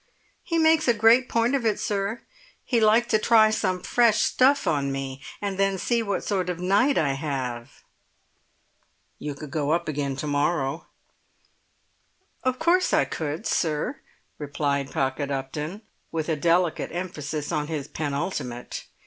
"He makes a great point of it, sir. He likes to try some fresh stuff on me, and then see what sort of night I have." "You could go up again to morrow." "Of course I could, sir," replied Pocket Upton, with a delicate emphasis on his penultimate.